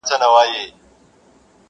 نه په ژبه پوهېدله د مېږیانو!.